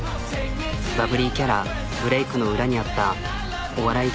バブリーキャラブレークの裏にあったお笑い